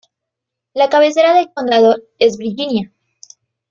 La cabecera del condado es Virginia.